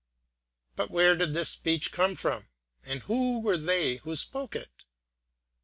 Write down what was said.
But where did this speech come from, and who were they who spoke it?